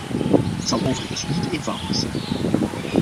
Het zal overigens niet eenvoudig zijn.